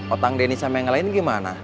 otang deni sama yang lain gimana